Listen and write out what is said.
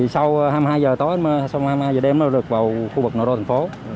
sau hai mươi hai h đêm nó được vào khu vực nội đô thành phố